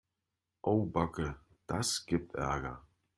Au backe, das gibt Ärger.